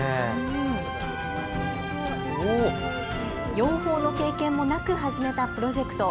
養蜂の経験もなく始めたプロジェクト。